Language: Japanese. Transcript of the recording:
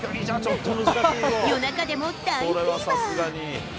夜中でも大フィーバー。